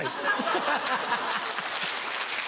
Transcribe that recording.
ハハハ！